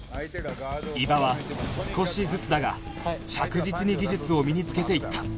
伊庭は少しずつだが着実に技術を身につけていった